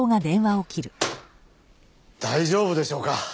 大丈夫でしょうか？